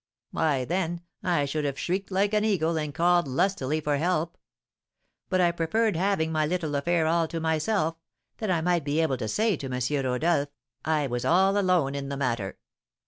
"Why, then, I should have shrieked like an eagle and called lustily for help. But I preferred having my little affair all to myself, that I might be able to say to M. Rodolph, 'I was all alone in the matter.